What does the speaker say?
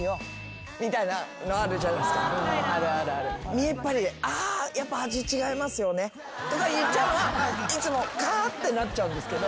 見えっ張りでああやっぱ味違いますよねとか言っちゃうのはいつもカーッてなっちゃうんですけど。